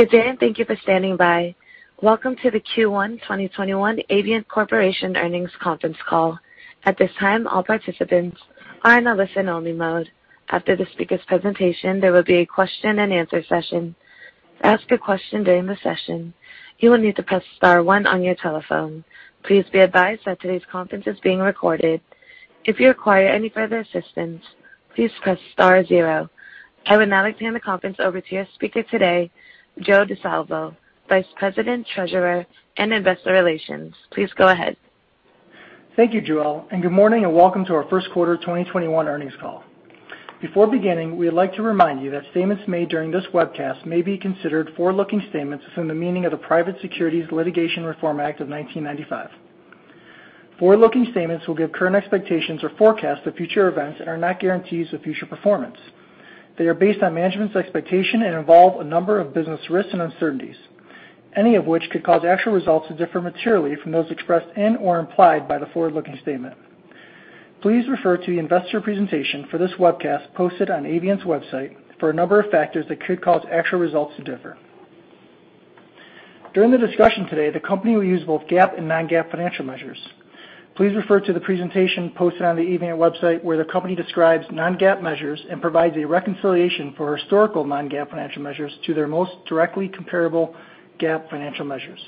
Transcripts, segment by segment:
Good day, and thank you for standing by. Welcome to the Q1 2021 Avient Corporation earnings conference call. At this time, all participants are in a listen-only mode. After the speaker's presentation, there will be a question-and-answer session. To ask a question during the session, you will need to press Star one on your telephone. Please be advised that today's conference is being recorded. If you require any further assistance, please press Star zero. I would now like to hand the conference over to your speaker today, Giuseppe Di Salvo, Vice President, Treasurer, and Investor Relations. Please go ahead. Thank you, Joelle, and good morning, and welcome to our first quarter 2021 earnings call. Before beginning, we'd like to remind you that statements made during this webcast may be considered forward-looking statements within the meaning of the Private Securities Litigation Reform Act of 1995. Forward-looking statements will give current expectations or forecasts of future events and are not guarantees of future performance. They are based on management's expectation and involve a number of business risks and uncertainties, any of which could cause actual results to differ materially from those expressed in or implied by the forward-looking statement. Please refer to the investor presentation for this webcast posted on Avient's website for a number of factors that could cause actual results to differ. During the discussion today, the company will use both GAAP and non-GAAP financial measures. Please refer to the presentation posted on the Avient website, where the company describes non-GAAP measures and provides a reconciliation for historical non-GAAP financial measures to their most directly comparable GAAP financial measures.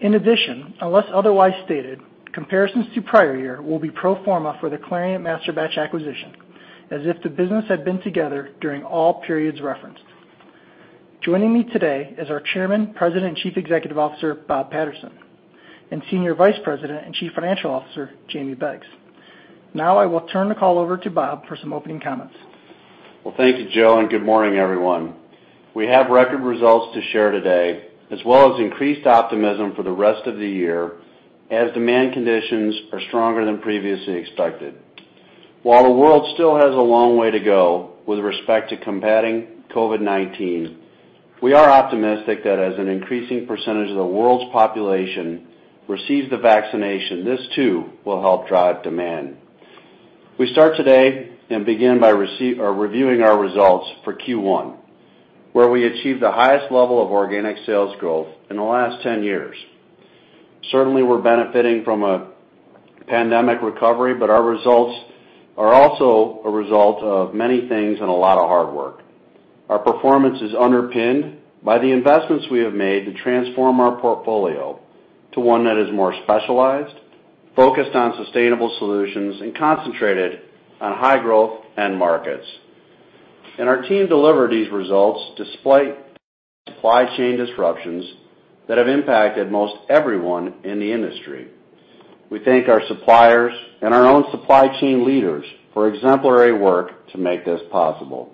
In addition, unless otherwise stated, comparisons to the prior year will be pro forma for the Clariant Masterbatch acquisition, as if the business had been together during all periods referenced. Joining me today is our Chairman, President, and Chief Executive Officer, Bob Patterson, and Senior Vice President and Chief Financial Officer, Jamie Beggs. Now, I will turn the call over to Bob for some opening comments. Well, thank you, Joe, and good morning, everyone. We have record results to share today, as well as increased optimism for the rest of the year as demand conditions are stronger than previously expected. While the world still has a long way to go with respect to combating COVID-19, we are optimistic that as an increasing percentage of the world's population receives the vaccination, this too will help drive demand. We start today and begin by reviewing our results for Q1, where we achieved the highest level of organic sales growth in the last 10 years. Certainly, we're benefiting from a pandemic recovery, but our results are also a result of many things and a lot of hard work. Our performance is underpinned by the investments we have made to transform our portfolio to one that is more specialized, focused on sustainable solutions, and concentrated on high-growth end markets. Our team delivered these results despite supply chain disruptions that have impacted most everyone in the industry. We thank our suppliers and our own supply chain leaders for exemplary work to make this possible.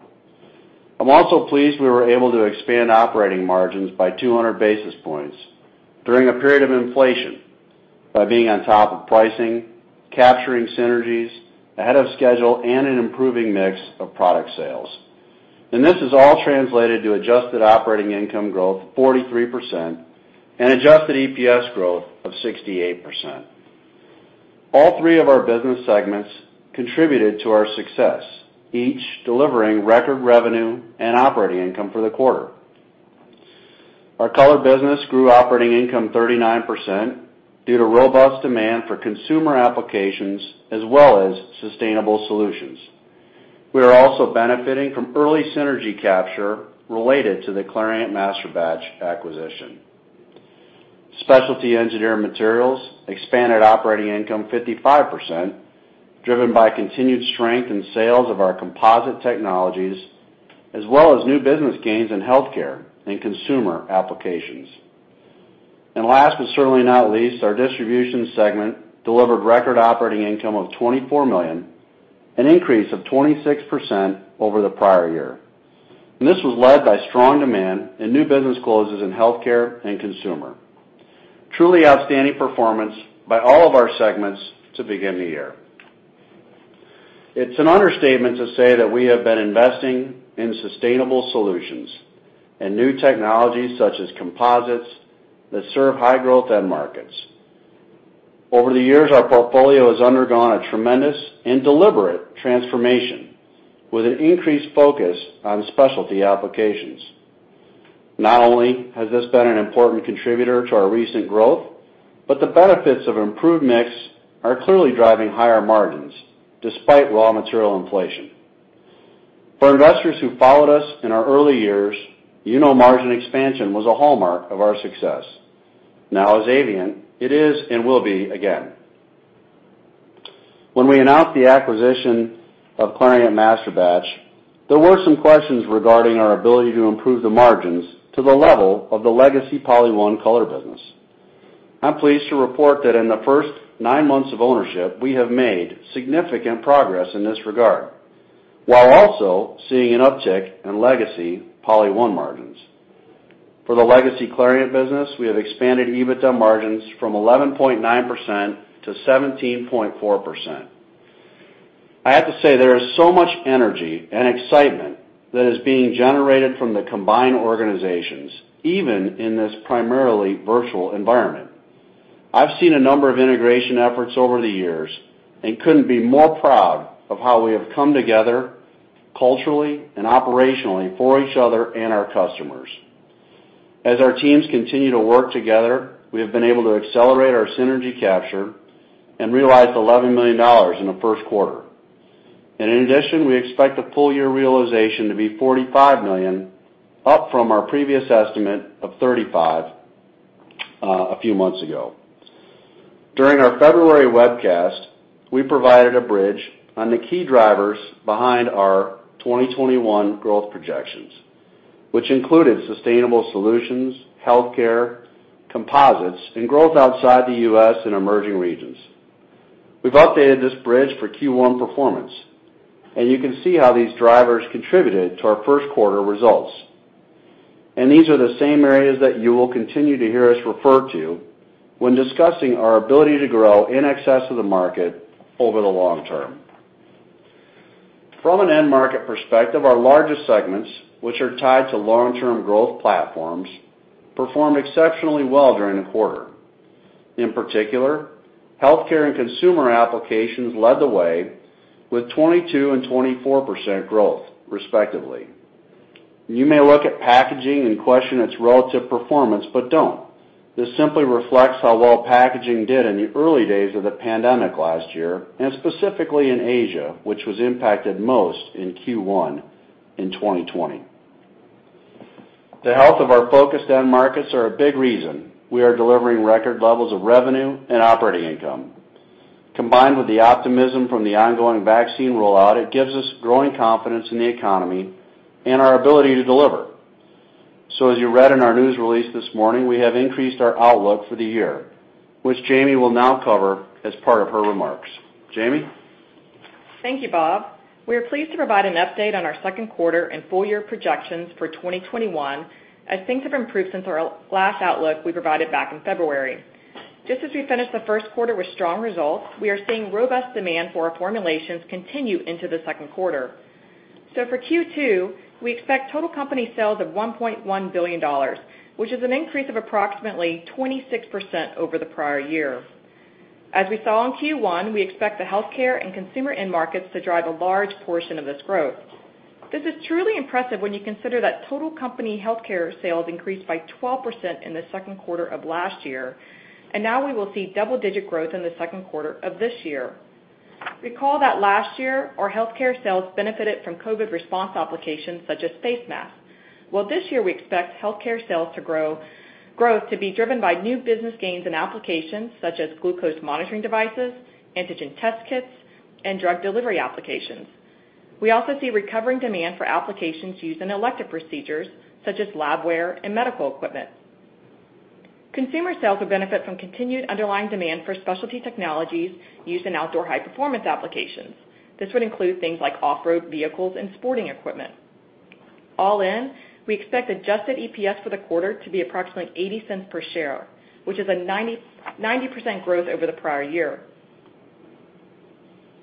I'm also pleased we were able to expand operating margins by 200 basis points during a period of inflation by being on top of pricing, capturing synergies ahead of schedule, and an improving mix of product sales. This is all translated to adjusted operating income growth of 43% and adjusted EPS growth of 68%. All three of our business segments contributed to our success, each delivering record revenue and operating income for the quarter. Our Color business grew operating income 39% due to robust demand for consumer applications as well as sustainable solutions. We are also benefiting from early synergy capture related to the Clariant Masterbatch acquisition. Specialty Engineered Materials expanded operating income 55%, driven by continued strength in sales of our composite technologies as well as new business gains in healthcare and consumer applications. Last, but certainly not least, our Distribution segment delivered record operating income of $24 million, an increase of 26% over the prior year, and this was led by strong demand and new business closes in healthcare and consumer. Truly outstanding performance by all of our segments to begin the year. It's an understatement to say that we have been investing in sustainable solutions and new technologies, such as composites, that serve high-growth end markets. Over the years, our portfolio has undergone a tremendous and deliberate transformation with an increased focus on specialty applications. Not only has this been an important contributor to our recent growth, but the benefits of improved mix are clearly driving higher margins despite raw material inflation. For investors who followed us in our early years, you know margin expansion was a hallmark of our success. Now as Avient, it is and will be again. When we announced the acquisition of Clariant Masterbatch, there were some questions regarding our ability to improve the margins to the level of the legacy PolyOne Color business. I'm pleased to report that in the first nine months of ownership, we have made significant progress in this regard, while also seeing an uptick in legacy PolyOne margins. For the legacy Clariant business, we have expanded EBITDA margins from 11.9% to 17.4%. I have to say, there is so much energy and excitement that is being generated from the combined organizations, even in this primarily virtual environment. I've seen a number of integration efforts over the years and couldn't be more proud of how we have come together culturally and operationally for each other and our customers. As our teams continue to work together, we have been able to accelerate our synergy capture and realize $11 million in the first quarter. In addition, we expect the full year realization to be $45 million, up from our previous estimate of $35 million a few months ago. During our February webcast, we provided a bridge on the key drivers behind our 2021 growth projections, which included sustainable solutions, healthcare, composites, and growth outside the U.S. and emerging regions. We've updated this bridge for Q1 performance, you can see how these drivers contributed to our first quarter results. These are the same areas that you will continue to hear us refer to when discussing our ability to grow in excess of the market over the long term. From an end market perspective, our largest segments, which are tied to long-term growth platforms, performed exceptionally well during the quarter. In particular, healthcare and consumer applications led the way with 22% and 24% growth respectively. You may look at packaging and question its relative performance, but don't. This simply reflects how well packaging did in the early days of the pandemic last year, and specifically in Asia, which was impacted most in Q1 2020. The health of our focused end markets are a big reason we are delivering record levels of revenue and operating income. Combined with the optimism from the ongoing vaccine rollout, it gives us growing confidence in the economy and our ability to deliver. As you read in our news release this morning, we have increased our outlook for the year, which Jamie will now cover as part of her remarks. Jamie? Thank you, Bob. We are pleased to provide an update on our second quarter and full year projections for 2021, as things have improved since our last outlook we provided back in February. Just as we finished the first quarter with strong results, we are seeing robust demand for our formulations continue into the second quarter. For Q2, we expect total company sales of $1.1 billion, which is an increase of approximately 26% over the prior year. As we saw in Q1, we expect the healthcare and consumer end markets to drive a large portion of this growth. This is truly impressive when you consider that total company healthcare sales increased by 12% in the second quarter of last year, and now we will see double-digit growth in the second quarter of this year. Recall that last year, our healthcare sales benefited from COVID response applications such as face masks. Well, this year, we expect healthcare sales growth to be driven by new business gains and applications such as glucose monitoring devices, antigen test kits, and drug delivery applications. We also see recovering demand for applications used in elective procedures such as labware and medical equipment. Consumer sales will benefit from continued underlying demand for specialty technologies used in outdoor high-performance applications. This would include things like off-road vehicles and sporting equipment. All in, we expect adjusted EPS for the quarter to be approximately $0.80 per share, which is a 90% growth over the prior year.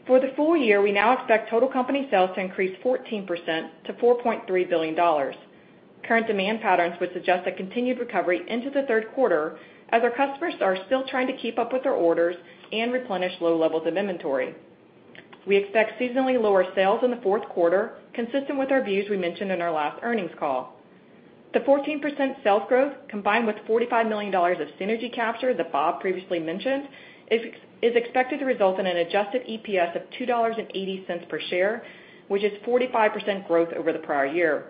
For the full year, we now expect total company sales to increase 14% to $4.3 billion. Current demand patterns would suggest a continued recovery into the third quarter as our customers are still trying to keep up with their orders and replenish low levels of inventory. We expect seasonally lower sales in the fourth quarter, consistent with our views we mentioned in our last earnings call. The 14% sales growth, combined with $45 million of synergy capture that Bob previously mentioned, is expected to result in an adjusted EPS of $2.80 per share, which is 45% growth over the prior year.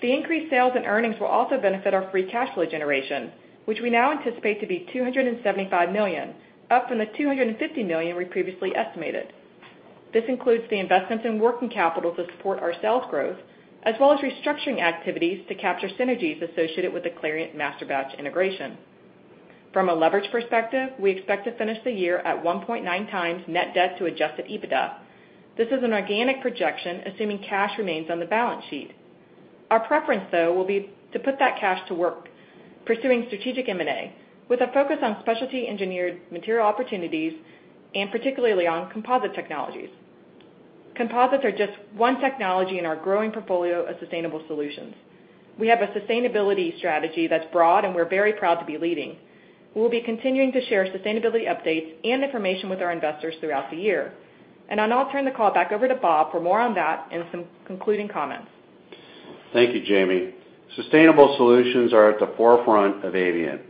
The increased sales and earnings will also benefit our free cash flow generation, which we now anticipate to be $275 million, up from the $250 million we previously estimated. This includes the investments in working capital to support our sales growth, as well as restructuring activities to capture synergies associated with the Clariant Masterbatch integration. From a leverage perspective, we expect to finish the year at 1.9x net debt to adjusted EBITDA. This is an organic projection, assuming cash remains on the balance sheet. Our preference, though, will be to put that cash to work pursuing strategic M&A with a focus on specialty engineered material opportunities, and particularly on composite technologies. Composites are just one technology in our growing portfolio of sustainable solutions. We have a sustainability strategy that's broad, and we're very proud to be leading. We'll be continuing to share sustainability updates and information with our investors throughout the year. I'll now turn the call back over to Bob for more on that and some concluding comments. Thank you, Jamie. Sustainable solutions are at the forefront of Avient.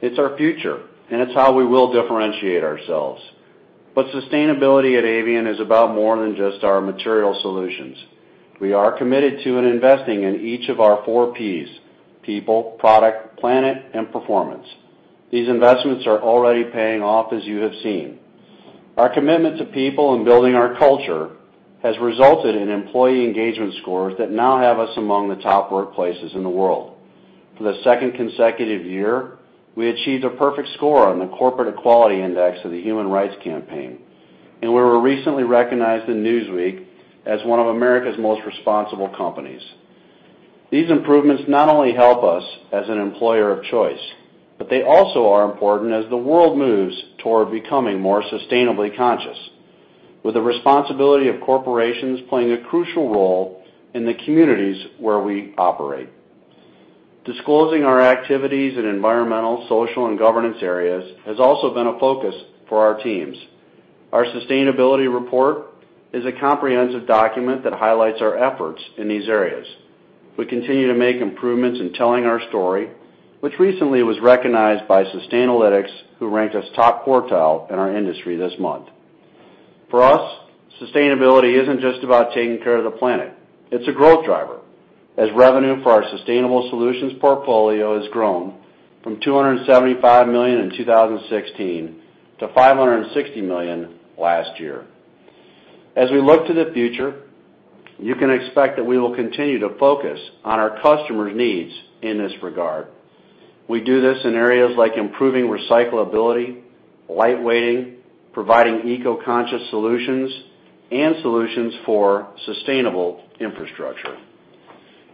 It's our future, and it's how we will differentiate ourselves. Sustainability at Avient is about more than just our material solutions. We are committed to and investing in each of our four Ps: people, product, planet, and performance. These investments are already paying off, as you have seen. Our commitment to people and building our culture has resulted in employee engagement scores that now have us among the top workplaces in the world. For the second consecutive year, we achieved a perfect score on the Corporate Equality Index of the Human Rights Campaign, and we were recently recognized in Newsweek as one of America's Most Responsible Companies. These improvements not only help us as an employer of choice, but they also are important as the world moves toward becoming more sustainably conscious, with the responsibility of corporations playing a crucial role in the communities where we operate. Disclosing our activities in environmental, social, and governance areas has also been a focus for our teams. Our sustainability report is a comprehensive document that highlights our efforts in these areas. We continue to make improvements in telling our story, which recently was recognized by Sustainalytics, who ranked us top quartile in our industry this month. For us, sustainability isn't just about taking care of the planet. It's a growth driver, as revenue for our sustainable solutions portfolio has grown from $275 million in 2016 to $560 million last year. As we look to the future, you can expect that we will continue to focus on our customers' needs in this regard. We do this in areas like improving recyclability, light weighting, providing eco-conscious solutions, and solutions for sustainable infrastructure.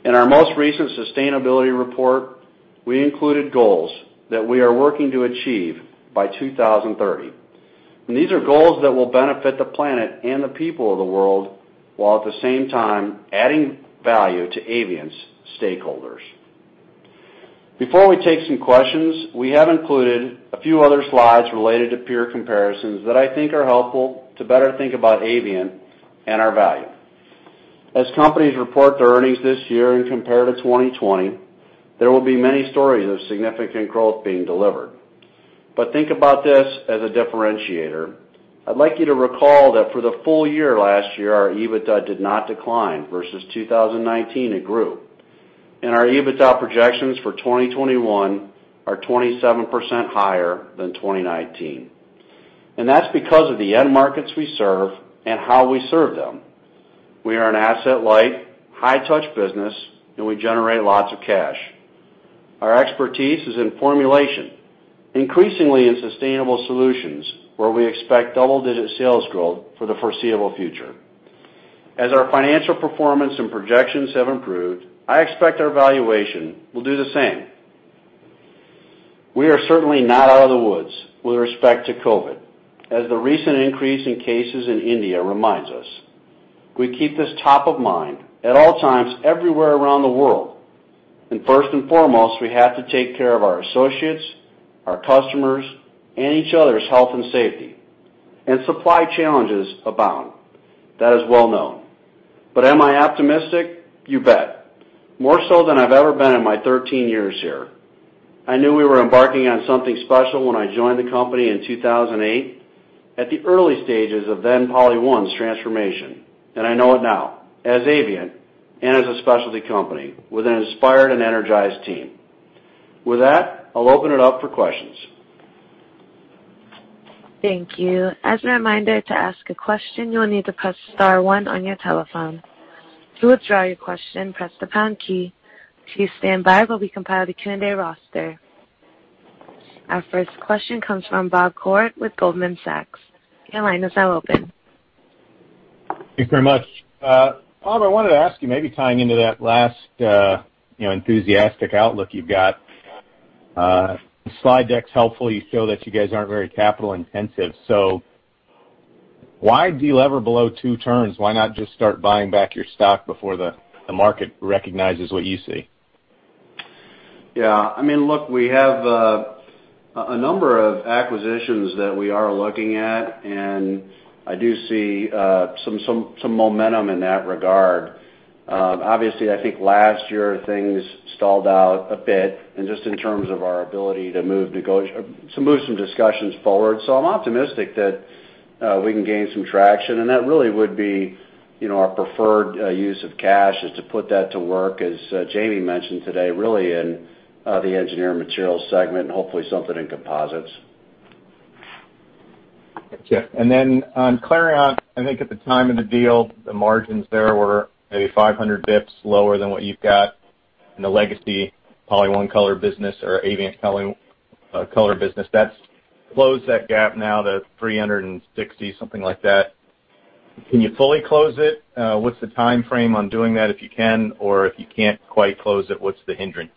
In our most recent sustainability report, we included goals that we are working to achieve by 2030, and these are goals that will benefit the planet and the people of the world, while at the same time adding value to Avient's stakeholders. Before we take some questions, we have included a few other slides related to peer comparisons that I think are helpful to better think about Avient and our value. As companies report their earnings this year and compare to 2020, there will be many stories of significant growth being delivered. Think about this as a differentiator. I'd like you to recall that for the full year last year, our EBITDA did not decline versus 2019, it grew. Our EBITDA projections for 2021 are 27% higher than 2019. That's because of the end markets we serve and how we serve them. We are an asset light, high touch business, and we generate lots of cash. Our expertise is in formulation, increasingly in sustainable solutions, where we expect double-digit sales growth for the foreseeable future. As our financial performance and projections have improved, I expect our valuation will do the same. We are certainly not out of the woods with respect to COVID, as the recent increase in cases in India reminds us. We keep this top of mind at all times everywhere around the world. First and foremost, we have to take care of our associates, our customers, and each other's health and safety. Supply challenges abound. That is well known. Am I optimistic? You bet. More so than I've ever been in my 13 years here. I knew we were embarking on something special when I joined the company in 2008 at the early stages of then PolyOne's transformation, and I know it now as Avient and as a specialty company with an inspired and energized team. With that, I'll open it up for questions. Thank you. As a reminder, to ask a question, you will need to press Star one on your telephone. To withdraw your question, press the pound key. Please stand by while we compile the Q&A roster. Our first question comes from Bob Koort with Goldman Sachs. Your line is now open. Thanks very much. Bob, I wanted to ask you, maybe tying into that last enthusiastic outlook you've got. The slide deck's helpful. You show that you guys aren't very capital intensive. Why delever below two turns? Why not just start buying back your stock before the market recognizes what you see? Yeah. Look, we have a number of acquisitions that we are looking at, and I do see some momentum in that regard. Obviously, I think last year things stalled out a bit, and just in terms of our ability to move some discussions forward. I'm optimistic that we can gain some traction, and that really would be our preferred use of cash is to put that to work, as Jamie mentioned today, really in the engineering materials segment, and hopefully something in composites. Okay. On Clariant, I think at the time of the deal, the margins there were maybe 500 basis points lower than what you've got in the legacy PolyOne Color business or Avient Color business. That's closed that gap now to 360, something like that. Can you fully close it? What's the timeframe on doing that, if you can, or if you can't quite close it, what's the hindrance?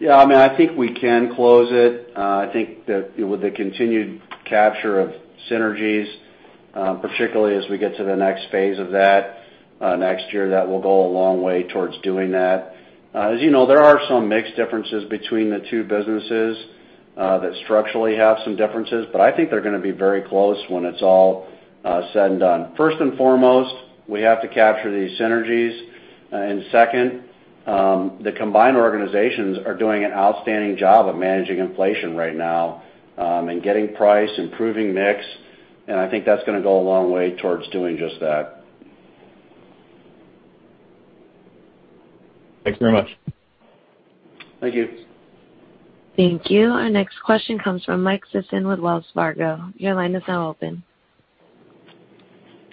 Yeah. I think we can close it. I think that with the continued capture of synergies, particularly as we get to the next phase of that next year, that will go a long way towards doing that. As you know, there are some mix differences between the two businesses that structurally have some differences, but I think they're going to be very close when it's all said and done. First and foremost, we have to capture these synergies. Second, the combined organizations are doing an outstanding job of managing inflation right now, and getting price, improving mix, and I think that's going to go a long way towards doing just that. Thanks very much. Thank you. Thank you. Our next question comes from Michael Sison with Wells Fargo. Your line is now open.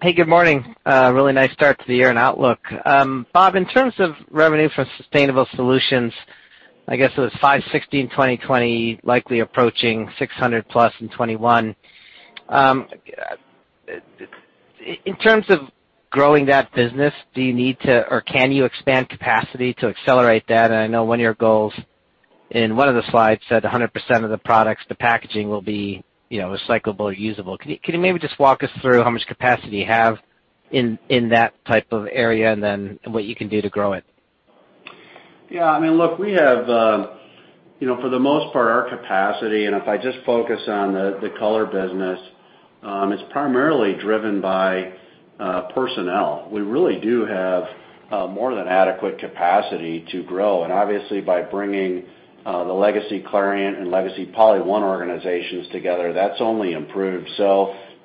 Hey, good morning. A really nice start to the year and outlook. Bob, in terms of revenue for sustainable solutions, I guess it was $516 in 2020, likely approaching $600 plus in 2021. In terms of growing that business, do you need to or can you expand capacity to accelerate that? I know one of your goals. In one of the slides, you said 100% of the products, the packaging will be recyclable or usable. Can you maybe just walk us through how much capacity you have in that type of area and then what you can do to grow it? Yeah. For the most part, our capacity, and if I just focus on the color business, it's primarily driven by personnel. We really do have more than adequate capacity to grow, and obviously by bringing the legacy Clariant and legacy PolyOne organizations together, that's only improved.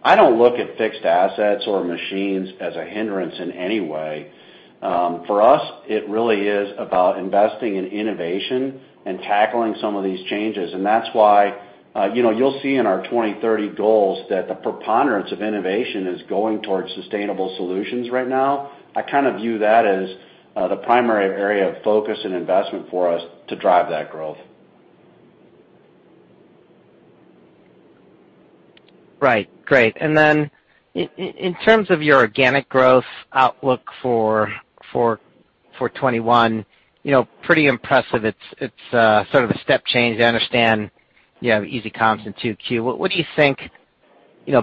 I don't look at fixed assets or machines as a hindrance in any way. For us, it really is about investing in innovation and tackling some of these changes. That's why you'll see in our 2030 goals that the preponderance of innovation is going towards sustainable solutions right now. I kind of view that as the primary area of focus and investment for us to drive that growth. Right. Great. In terms of your organic growth outlook for 2021, pretty impressive. It's sort of a step change. I understand you have easy comps in 2Q. What do you think,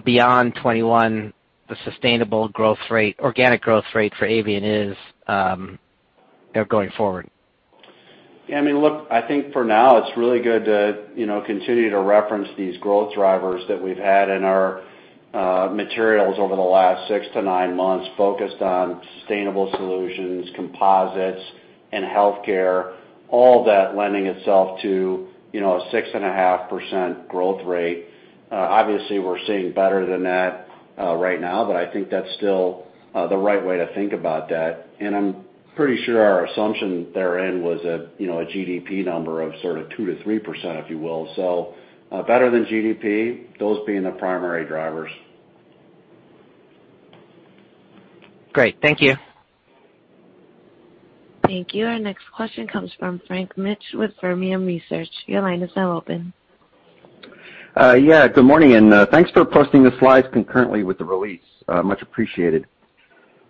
beyond 2021, the sustainable growth rate, organic growth rate for Avient is going forward? I think for now, it's really good to continue to reference these growth drivers that we've had in our materials over the last six-nine months, focused on sustainable solutions, composites, and healthcare, all that lending itself to a 6.5% growth rate. Obviously, we're seeing better than that right now, but I think that's still the right way to think about that. I'm pretty sure our assumption therein was a GDP number of sort of 2%-3%, if you will. Better than GDP, those being the primary drivers. Great. Thank you. Thank you. Our next question comes from Frank Mitsch with Fermium Research. Your line is now open. Good morning, thanks for posting the slides concurrently with the release. Much appreciated.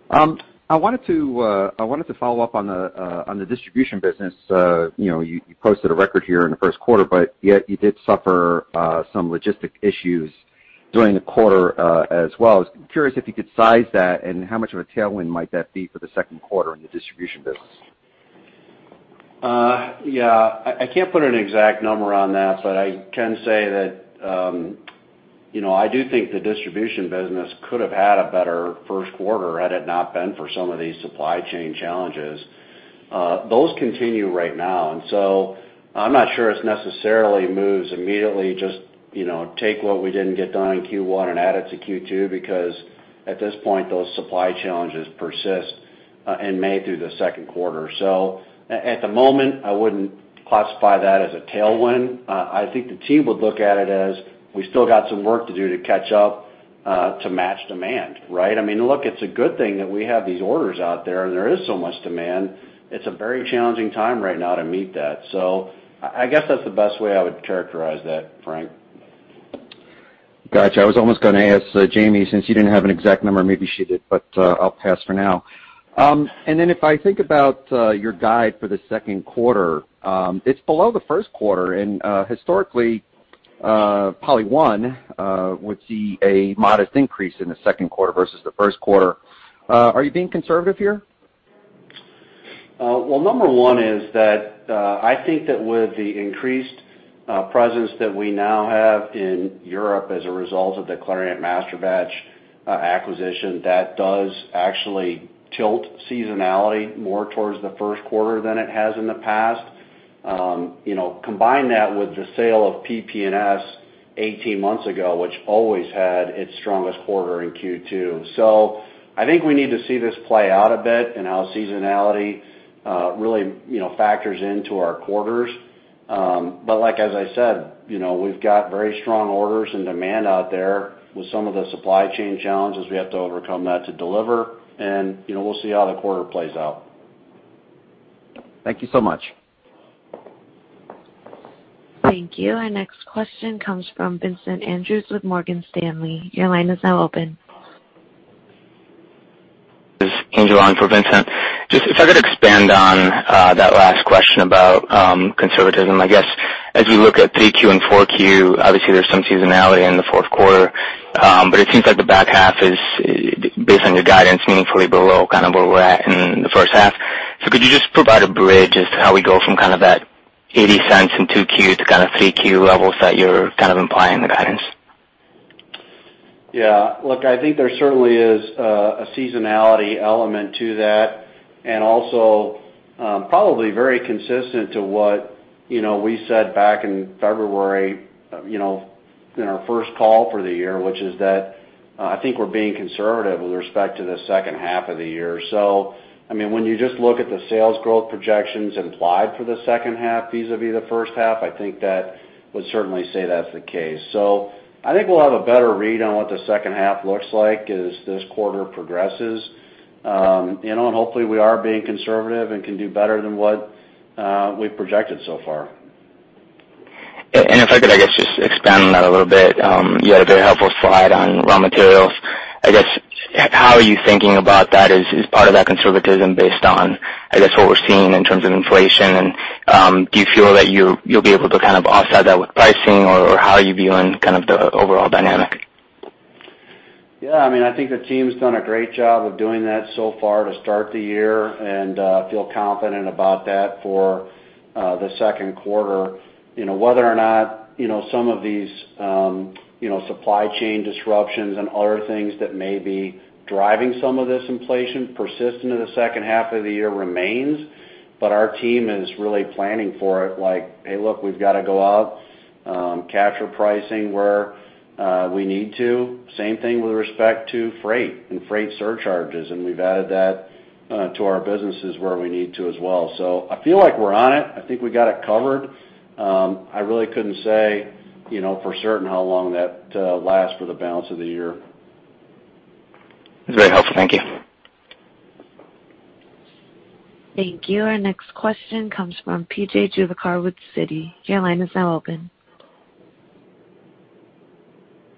I wanted to follow up on the distribution business. You posted a record here in the first quarter, but yet you did suffer some logistic issues during the quarter as well. I was curious if you could size that and how much of a tailwind might that be for the second quarter in the distribution business? I can't put an exact number on that, but I can say that I do think the distribution business could have had a better first quarter had it not been for some of these supply chain challenges. Those continue right now. I'm not sure it necessarily moves immediately, just take what we didn't get done in Q1 and add it to Q2, because at this point, those supply challenges persist in May through the second quarter. At the moment, I wouldn't classify that as a tailwind. I think the team would look at it as we still got some work to do to catch up to match demand. Right? Look, it's a good thing that we have these orders out there and there is so much demand. It's a very challenging time right now to meet that. I guess that's the best way I would characterize that, Frank. Got you. I was almost going to ask Jamie, since you didn't have an exact number, maybe she did, but I'll pass for now. If I think about your guide for the second quarter, it's below the first quarter, and historically, Avient would see a modest increase in the second quarter versus the first quarter. Are you being conservative here? Well, number one is that I think that with the increased presence that we now have in Europe as a result of the Clariant Masterbatch acquisition, that does actually tilt seasonality more towards the first quarter than it has in the past. Combine that with the sale of PP&S 18 months ago, which always had its strongest quarter in Q2. I think we need to see this play out a bit and how seasonality really factors into our quarters. Like as I said, we've got very strong orders and demand out there with some of the supply chain challenges. We have to overcome that to deliver, and we'll see how the quarter plays out. Thank you so much. Thank you. Our next question comes from Vincent Andrews with Morgan Stanley. Your line is now open. This is Angel on for Vincent. If I could expand on that last question about conservatism. I guess as we look at 3Q and 4Q, obviously there's some seasonality in the fourth quarter, but it seems like the back half is based on your guidance meaningfully below kind of where we're at in the first half. Could you just provide a bridge as to how we go from kind of that $0.80 in 2Q to kind of 3Q levels that you're kind of implying in the guidance? Yeah. Look, I think there certainly is a seasonality element to that, and also probably very consistent to what we said back in February in our first call for the year, which is that I think we're being conservative with respect to the second half of the year. When you just look at the sales growth projections implied for the second half vis-à-vis the first half, I think that would certainly say that's the case. I think we'll have a better read on what the second half looks like as this quarter progresses. Hopefully we are being conservative and can do better than what we've projected so far. If I could, I guess, just expand on that a little bit. You had a very helpful slide on raw materials. I guess, how are you thinking about that? Is part of that conservatism based on, I guess, what we're seeing in terms of inflation? Do you feel that you'll be able to kind of offset that with pricing? How are you viewing kind of the overall dynamic? Yeah. I think the team's done a great job of doing that so far to start the year, and feel confident about that for the second quarter. Whether or not some of these supply chain disruptions and other things that may be driving some of this inflation persistent to the second half of the year remains. Our team is really planning for it. Like, "Hey, look, we've got to go out, capture pricing where we need to." Same thing with respect to freight and freight surcharges, and we've added that to our businesses where we need to as well. I feel like we're on it. I think we got it covered. I really couldn't say for certain how long that lasts for the balance of the year. That's very helpful. Thank you. Thank you. Our next question comes from P.J. Juvekar with Citigroup. Your line is now open.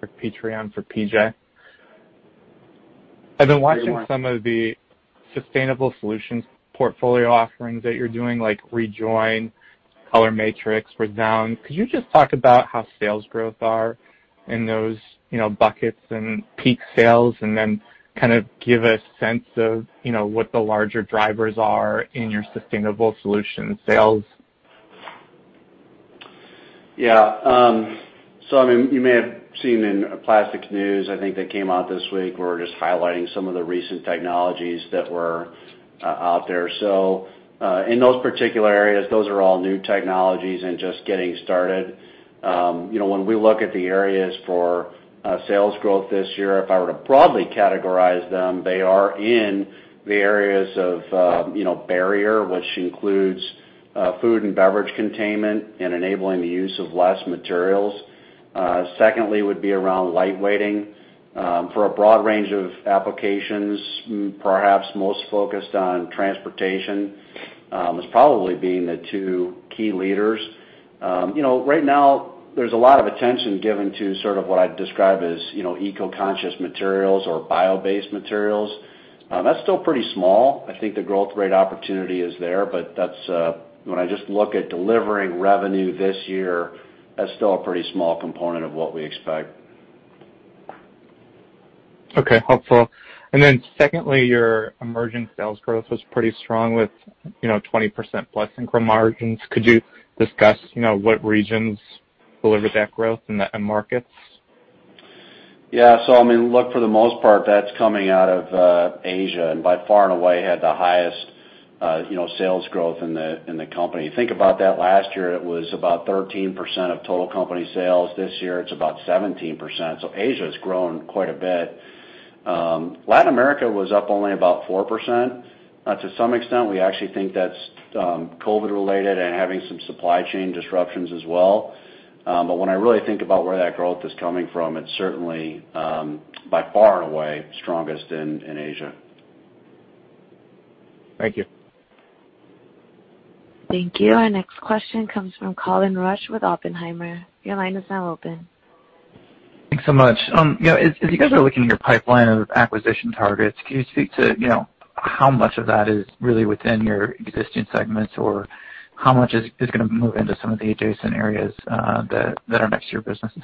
Rick Petrean for P.J. Hey, Rick. I've been watching some of the sustainable solutions portfolio offerings that you're doing, like Rejoin, ColorMatrix, reSound. Could you just talk about how sales growth are in those buckets and peak sales, and then kind of give a sense of what the larger drivers are in your sustainable solutions sales? Yeah. You may have seen in Plastics News, I think that came out this week, we were just highlighting some of the recent technologies that were out there. In those particular areas, those are all new technologies and just getting started. When we look at the areas for sales growth this year, if I were to broadly categorize them, they are in the areas of barrier, which includes food and beverage containment and enabling the use of less materials. Secondly, would be around light weighting for a broad range of applications, perhaps most focused on transportation, as probably being the two key leaders. Right now, there's a lot of attention given to sort of what I'd describe as eco-conscious materials or bio-based materials. That's still pretty small. I think the growth rate opportunity is there, but when I just look at delivering revenue this year, that's still a pretty small component of what we expect. Okay. Helpful. Then secondly, your emerging sales growth was pretty strong with 20% plus in gross margins. Could you discuss what regions delivered that growth in the end markets? Yeah. Look, for the most part, that's coming out of Asia, and by far and away had the highest sales growth in the company. Think about that last year, it was about 13% of total company sales. This year, it's about 17%. Asia has grown quite a bit. Latin America was up only about 4%. To some extent, we actually think that's COVID related and having some supply chain disruptions as well. When I really think about where that growth is coming from, it's certainly, by far and away, strongest in Asia. Thank you. Thank you. Our next question comes from Colin Rusch with Oppenheimer. Your line is now open. Thanks so much. As you guys are looking at your pipeline of acquisition targets, can you speak to how much of that is really within your existing segments, or how much is going to move into some of the adjacent areas that are next to your businesses?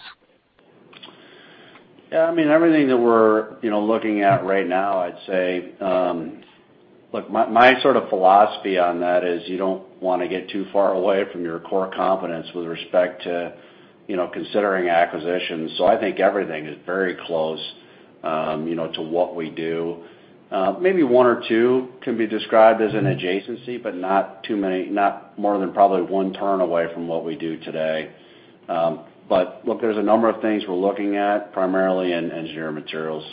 Yeah. Everything that we're looking at right now, I'd say. Look, my sort of philosophy on that is you don't want to get too far away from your core competence with respect to considering acquisitions. I think everything is very close to what we do. Maybe one or two can be described as an adjacency, but not more than probably one turn away from what we do today. Look, there's a number of things we're looking at primarily in engineering materials.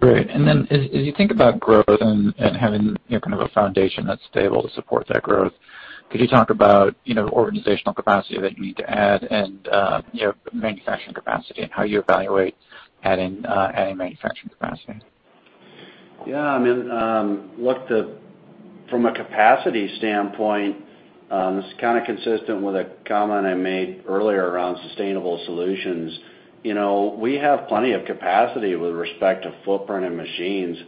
Great. Then as you think about growth and having kind of a foundation that's stable to support that growth, could you talk about organizational capacity that you need to add and manufacturing capacity and how you evaluate adding manufacturing capacity? Yeah. From a capacity standpoint, this is kind of consistent with a comment I made earlier around sustainable solutions. We have plenty of capacity with respect to footprint and machines.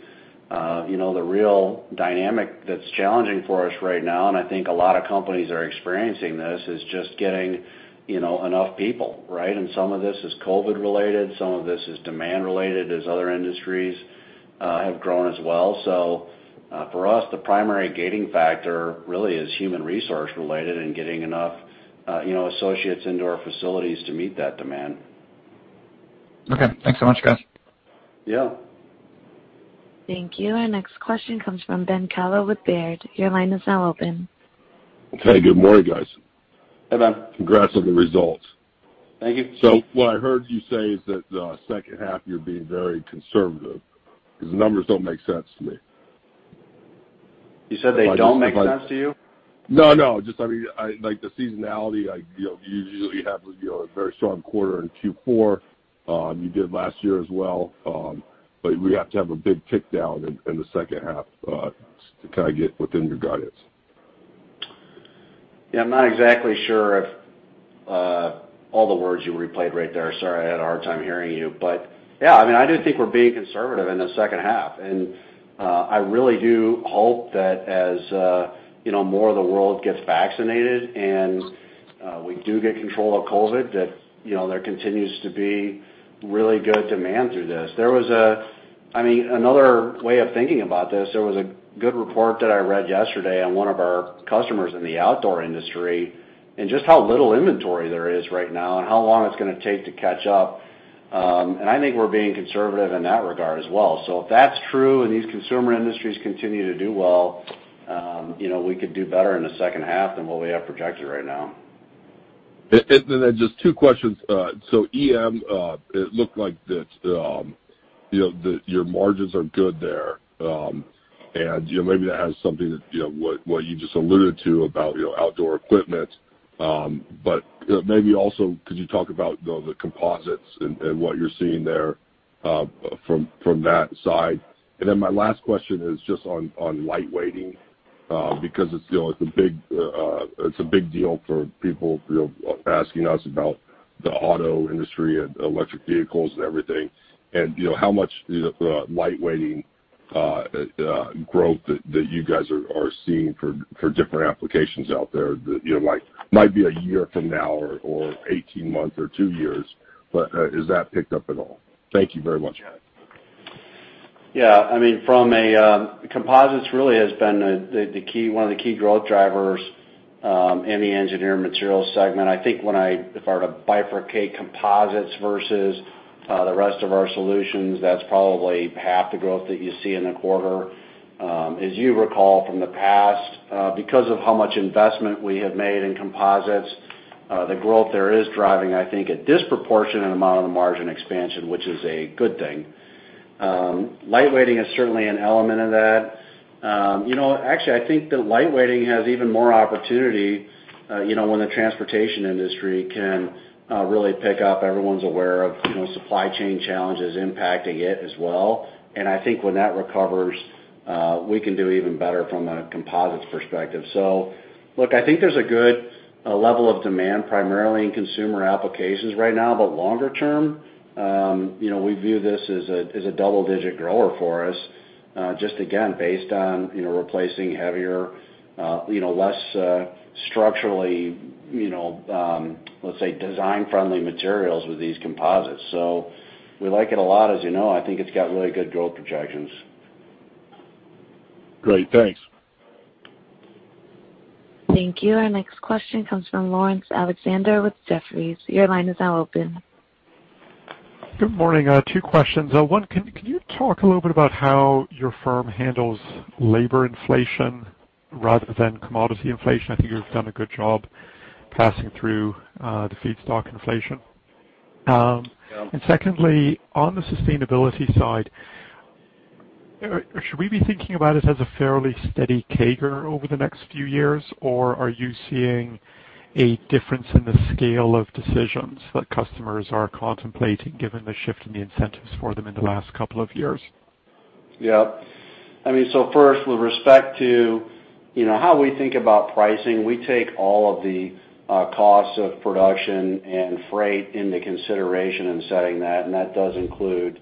The real dynamic that's challenging for us right now, and I think a lot of companies are experiencing this, is just getting enough people, right? Some of this is COVID-19 related, some of this is demand related as other industries have grown as well. For us, the primary gating factor really is human resource related and getting enough associates into our facilities to meet that demand. Okay. Thanks so much, guys. Yeah. Thank you. Our next question comes from Ben Kallo with Baird. Your line is now open. Okay, good morning, guys. Hey, Ben. Congrats on the results. Thank you. What I heard you say is that the second half, you're being very conservative, because the numbers don't make sense to me. You said they don't make sense to you? No, no. Just the seasonality, you usually have a very strong quarter in Q4. You did last year as well, we have to have a big tick down in the second half to get within your guidance. Yeah. I'm not exactly sure of all the words you replayed right there. Sorry, I had a hard time hearing you. Yeah, I do think we're being conservative in the second half. I really do hope that as more of the world gets vaccinated and we do get control of COVID, that there continues to be really good demand through this. Another way of thinking about this, there was a good report that I read yesterday on one of our customers in the outdoor industry, and just how little inventory there is right now and how long it's going to take to catch up. I think we're being conservative in that regard as well. If that's true and these consumer industries continue to do well, we could do better in the second half than what we have projected right now. Just two questions. EM, it looked like your margins are good there. Maybe that has something to what you just alluded to about outdoor equipment. Maybe also, could you talk about the composites and what you're seeing there from that side? My last question is just on light weighting, because it's a big deal for people asking us about the auto industry and electric vehicles and everything. How much light weighting growth that you guys are seeing for different applications out there, that might be a year from now or 18 months or two years, but has that picked up at all? Thank you very much. Composites really has been one of the key growth drivers in the engineering materials segment. I think if I were to bifurcate composites versus the rest of our solutions, that's probably half the growth that you see in the quarter. As you recall from the past, because of how much investment we have made in composites, the growth there is driving, I think, a disproportionate amount of the margin expansion, which is a good thing. Light weighting is certainly an element of that. Actually, I think that light weighting has even more opportunity when the transportation industry can really pick up. Everyone's aware of supply chain challenges impacting it as well. I think when that recovers, we can do even better from a composites perspective. Look, I think there's a good level of demand, primarily in consumer applications right now. Longer term, we view this as a double-digit grower for us, just again, based on replacing heavier, less structurally, let's say, design-friendly materials with these composites. We like it a lot, as you know. I think it's got really good growth projections. Great. Thanks. Thank you. Our next question comes from Laurence Alexander with Jefferies. Your line is now open. Good morning. Two questions. One, can you talk a little bit about how your firm handles labor inflation rather than commodity inflation? I think you've done a good job passing through the feedstock inflation. Yeah. Secondly, on the sustainability side, should we be thinking about it as a fairly steady CAGR over the next few years, or are you seeing a difference in the scale of decisions that customers are contemplating given the shift in the incentives for them in the last couple of years? Yep. First, with respect to how we think about pricing, we take all of the costs of production and freight into consideration in setting that, and that does include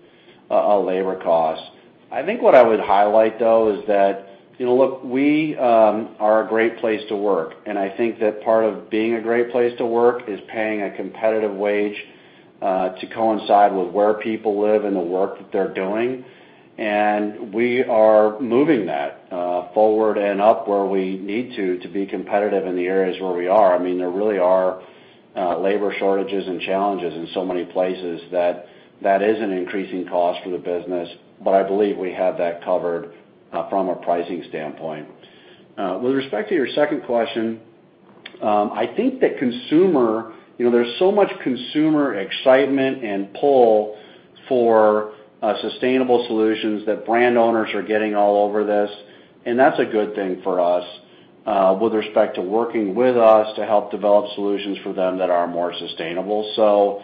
labor cost. I think what I would highlight, though, is that we are a great place to work, and I think that part of being a great place to work is paying a competitive wage to coincide with where people live and the work that they're doing. And we are moving that forward and up where we need to be competitive in the areas where we are. There really are labor shortages and challenges in so many places that is an increasing cost for the business. I believe we have that covered from a pricing standpoint. With respect to your second question, there's so much consumer excitement and pull for sustainable solutions that brand owners are getting all over this. That's a good thing for us with respect to working with us to help develop solutions for them that are more sustainable.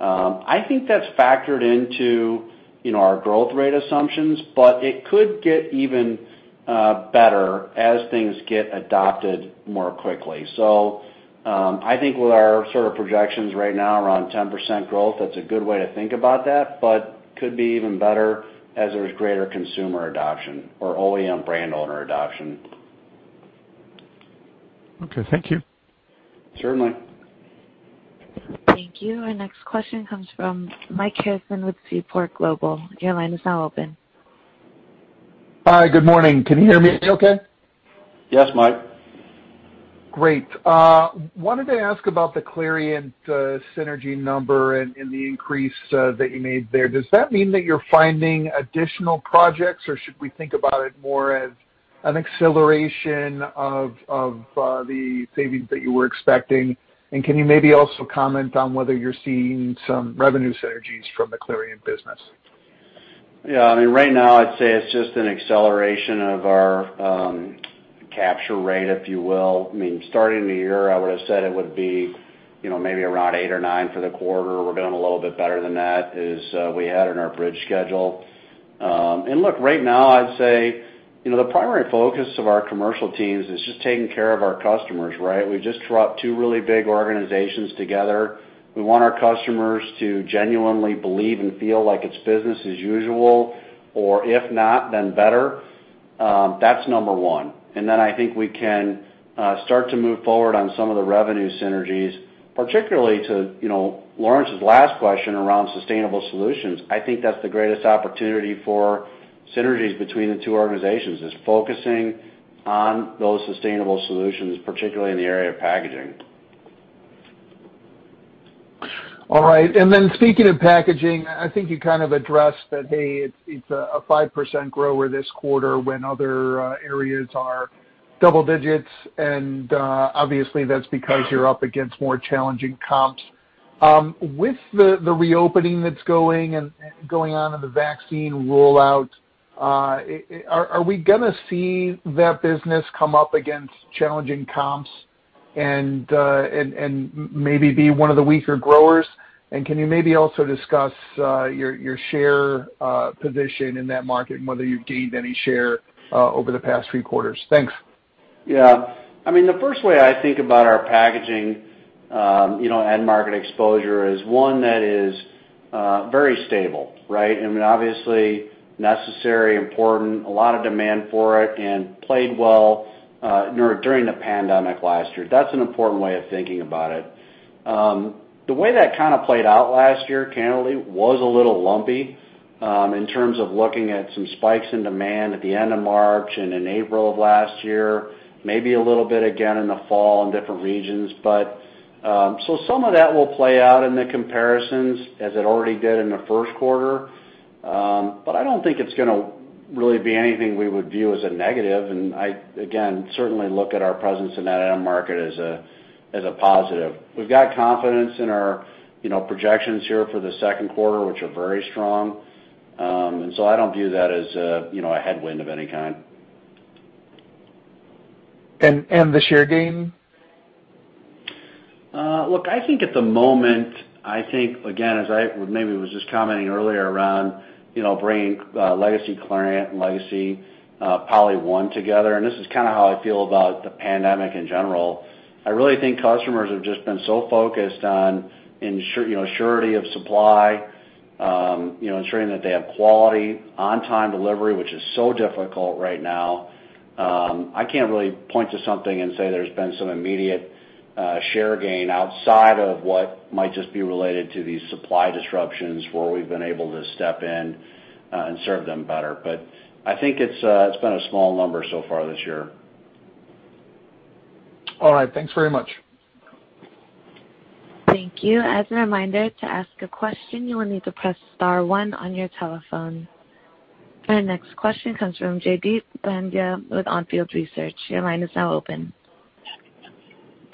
I think that's factored into our growth rate assumptions, but it could get even better as things get adopted more quickly. I think with our sort of projections right now around 10% growth, that's a good way to think about that, but could be even better as there's greater consumer adoption or OEM brand owner adoption. Okay. Thank you. Certainly. Thank you. Our next question comes from Mike Harrison with Seaport Global. Your line is now open. Hi. Good morning. Can you hear me okay? Yes, Mike. Great. Wanted to ask about the Clariant synergy number and the increase that you made there. Does that mean that you're finding additional projects, or should we think about it more as an acceleration of the savings that you were expecting? Can you maybe also comment on whether you're seeing some revenue synergies from the Clariant business? Yeah. Right now I'd say it's just an acceleration of our capture rate, if you will. starting the year, I would've said it would be maybe around eight or nine for the quarter. We're doing a little bit better than that as we had in our bridge schedule. Look, right now I'd say, the primary focus of our commercial teams is just taking care of our customers, right? We just dropped two really big organizations together. We want our customers to genuinely believe and feel like it's business as usual, or if not, then better. That's number one. Then I think we can start to move forward on some of the revenue synergies, particularly to Laurence's last question around sustainable solutions. I think that's the greatest opportunity for synergies between the two organizations, is focusing on those sustainable solutions, particularly in the area of packaging. All right. Speaking of packaging, I think you kind of addressed that, hey, it's a 5% grower this quarter when other areas are double digits, and obviously that's because you're up against more challenging comps. With the reopening that's going on and the vaccine rollout, are we gonna see that business come up against challenging comps and maybe be one of the weaker growers? Can you maybe also discuss your share position in that market, and whether you've gained any share over the past three quarters? Thanks. Yeah. The first way I think about our packaging end market exposure is one that is very stable, right, obviously necessary, important, a lot of demand for it, and played well during the pandemic last year. That's an important way of thinking about it. The way that kind of played out last year, candidly, was a little lumpy in terms of looking at some spikes in demand at the end of March and in April of last year, maybe a little bit again in the fall in different regions. Some of that will play out in the comparisons as it already did in the first quarter. I don't think it's gonna really be anything we would view as a negative. I, again, certainly look at our presence in that end market as a positive. We've got confidence in our projections here for the second quarter, which are very strong. I don't view that as a headwind of any kind. The share gain? Look, I think at the moment, I think, again, as I maybe was just commenting earlier around bringing legacy Clariant and legacy PolyOne together, and this is kind of how I feel about the pandemic in general. I really think customers have just been so focused on surety of supply, ensuring that they have quality, on-time delivery, which is so difficult right now. I can't really point to something and say there's been some immediate share gain outside of what might just be related to these supply disruptions where we've been able to step in and serve them better. I think it's been a small number so far this year. All right. Thanks very much. Thank you. As a reminder, to ask a question, you will need to press Star one on your telephone. Our next question comes from Jaideep Pandya with On Field Investment Research. Your line is now open.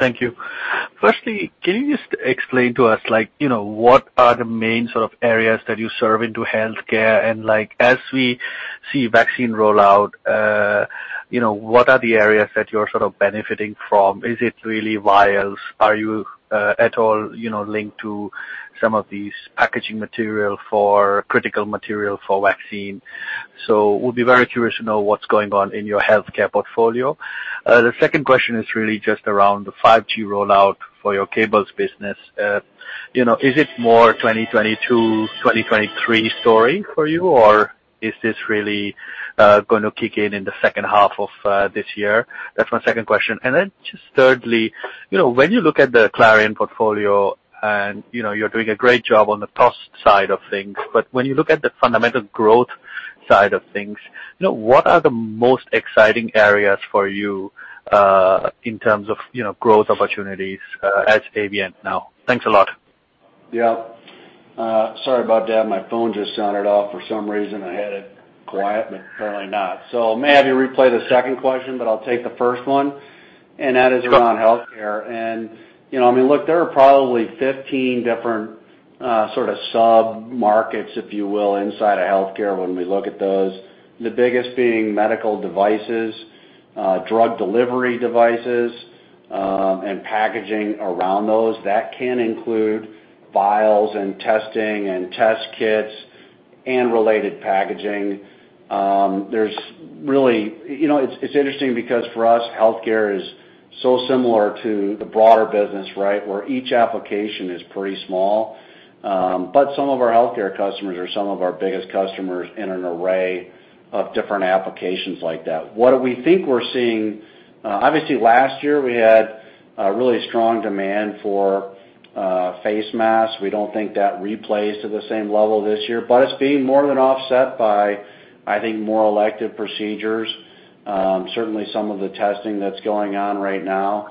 Thank you. Can you just explain to us what are the main sort of areas that you serve into healthcare and as we see vaccine rollout, what are the areas that you're sort of benefiting from? Is it really vials? Are you at all linked to some of these packaging material for critical material for vaccine? We'll be very curious to know what's going on in your healthcare portfolio. The second question is really just around the 5G rollout for your cables business. Is it more 2022, 2023 story for you, or is this really going to kick in in the second half of this year? That's my second question. Just thirdly, when you look at the Clariant portfolio, and you're doing a great job on the cost side of things, but when you look at the fundamental growth side of things, what are the most exciting areas for you, in terms of growth opportunities, as Avient now? Thanks a lot. Yeah. Sorry about that. My phone just sounded off for some reason. I had it quiet, but apparently not. May I have you replay the second question, but I'll take the first one, and that is around healthcare. Sure. Look, there are probably 15 different sort of sub-markets, if you will, inside of healthcare when we look at those. The biggest being medical devices, drug delivery devices, and packaging around those. That can include vials and testing and test kits and related packaging. It's interesting because for us, healthcare is so similar to the broader business, right? Where each application is pretty small. Some of our healthcare customers are some of our biggest customers in an array of different applications like that. Obviously last year, we had a really strong demand for face masks. We don't think that replays to the same level this year, but it's being more than offset by, I think, more elective procedures. Certainly, some of the testing that's going on right now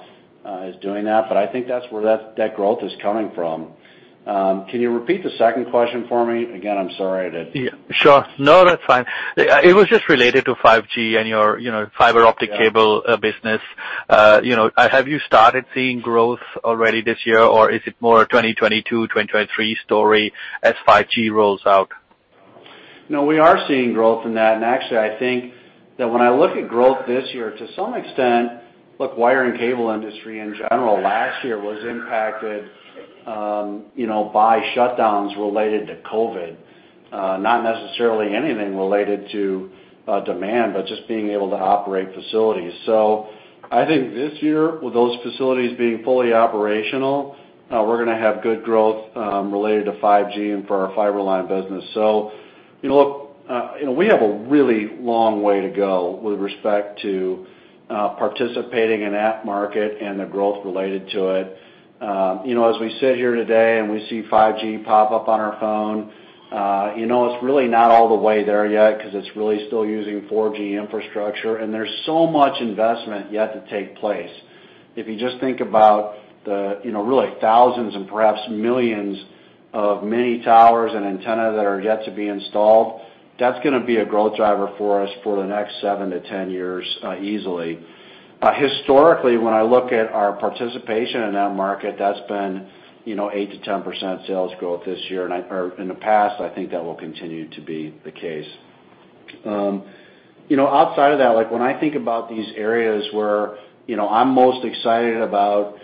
is doing that, but I think that's where that growth is coming from. Can you repeat the second question for me? Again, I'm sorry. Yeah. Sure. No, that's fine. It was just related to 5G and your fiber optic cable business. Yeah. Have you started seeing growth already this year, or is it more 2022, 2023 story as 5G rolls out? No, we are seeing growth in that. Actually, I think that when I look at growth this year, to some extent, look, wire and cable industry in general last year was impacted by shutdowns related to COVID-19. Not necessarily anything related to demand, but just being able to operate facilities. I think this year, with those facilities being fully operational, we're going to have good growth related to 5G and for our Fiber-Line™ business. Look, we have a really long way to go with respect to participating in that market and the growth related to it. As we sit here today and we see 5G pop up on our phone, it's really not all the way there yet because it's really still using 4G infrastructure, and there's so much investment yet to take place. If you just think about the really thousands and perhaps millions of mini towers and antenna that are yet to be installed, that's going to be a growth driver for us for the next 7-10 years easily. Historically, when I look at our participation in that market, that's been 8%-10% sales growth in the past. I think that will continue to be the case. Outside of that, when I think about these areas where I'm most excited about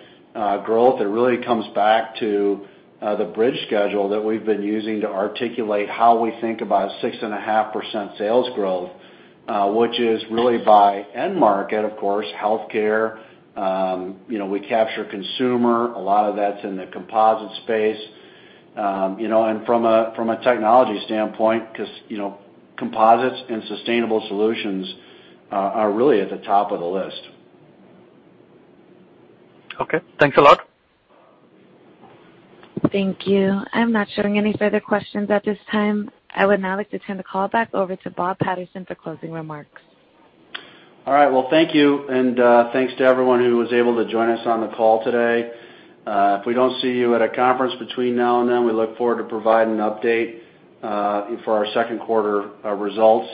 growth, it really comes back to the bridge schedule that we've been using to articulate how we think about 6.5% sales growth, which is really by end market, of course, healthcare. We capture consumer. A lot of that's in the composite space. From a technology standpoint, because composites and sustainable solutions are really at the top of the list. Okay, thanks a lot. Thank you. I'm not showing any further questions at this time. I would now like to turn the call back over to Bob Patterson for closing remarks. All right. Well, thank you. Thanks to everyone who was able to join us on the call today. If we don't see you at a conference between now and then, we look forward to providing an update for our second quarter results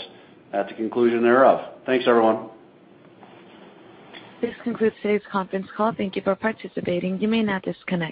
at the conclusion thereof. Thanks, everyone. This concludes today's conference call. Thank Thank you for participating. You may now disconnect.